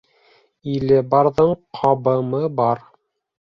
Иле барҙың ҡабымы бар.